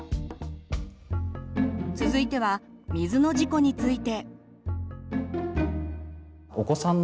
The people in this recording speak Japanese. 続いては水の事故について。